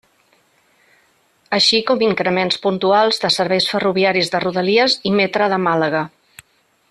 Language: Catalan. Així com increments puntuals de serveis ferroviaris de Rodalies i Metre de Màlaga.